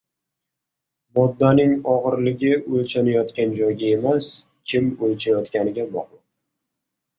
Moddaning og‘irligi o‘lchanayogan joyga emas, kim o‘lchayotganiga bog‘liq.